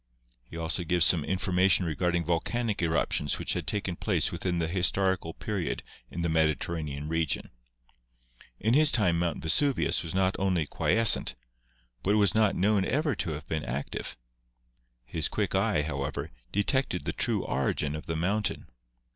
He also gives some information regarding volcanic eruptions which had taken place within the historical period in the Mediterranean region. In his time Mount Vesuvius was not only quies cent, but was not known ever to have been active. His quick eye, however, detected the true origin of the moun tain.